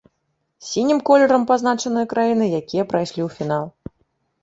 Сінім колерам пазначаныя краіны, якія прайшлі ў фінал.